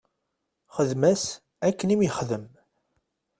Xdem-as akken i m-yexdem.